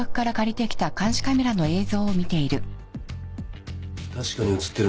確かに写ってるな。